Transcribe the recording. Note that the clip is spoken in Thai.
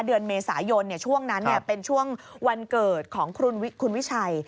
เดือนเมษายนช่วงนั้นเป็นช่วงวันเกิดของคุณวิชัย